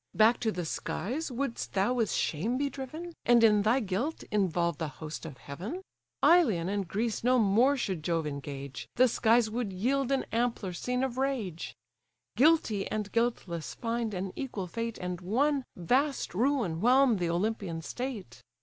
Back to the skies wouldst thou with shame be driven, And in thy guilt involve the host of heaven? Ilion and Greece no more should Jove engage, The skies would yield an ampler scene of rage; Guilty and guiltless find an equal fate And one vast ruin whelm the Olympian state.